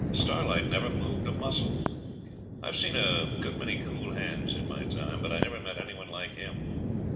Starlight never moved a muscle. I've seen a good many cool hands in my time, but I never met any one like him.